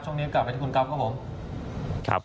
ช่วงนี้กลับไปที่คุณกรอบครับผม